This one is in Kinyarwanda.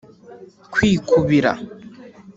kwikubira